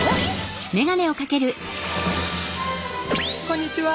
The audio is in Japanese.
こんにちは。